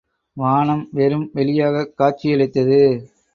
வானம் வெறும் வெளியாகக் காட்சியளித்தது.